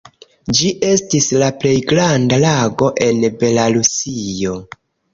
Ĝi estas la plej granda lago en Belarusio.